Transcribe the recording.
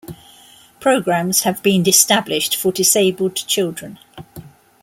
Programs have been established for disabled children.